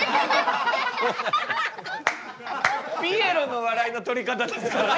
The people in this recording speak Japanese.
ピエロの笑いの取り方ですからね